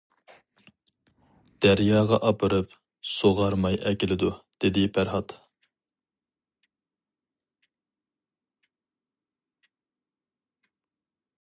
دەرياغا ئاپىرىپ سۇغارماي ئەكېلىدۇ، — دېدى پەرھات.